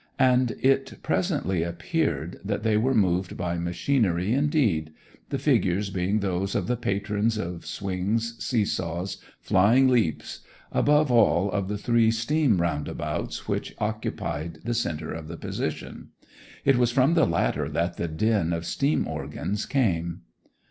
And it presently appeared that they were moved by machinery indeed; the figures being those of the patrons of swings, see saws, flying leaps, above all of the three steam roundabouts which occupied the centre of the position. It was from the latter that the din of steam organs came.